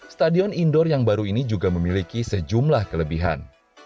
stadion indoor yang baru ini juga memiliki sejumlah kelebihan